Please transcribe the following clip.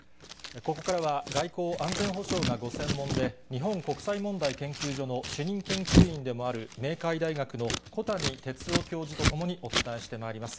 ここからは外交・安全保障がご専門で、日本国際問題研究所の主任研究員でもある明海大学の小谷哲男教授と共にお伝えしてまいります。